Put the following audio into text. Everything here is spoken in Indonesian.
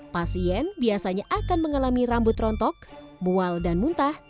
pasien biasanya akan mengalami rambut rontok mual dan muntah